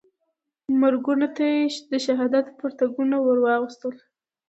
مرګونو ته یې د شهادت پرتګونه وراغوستل.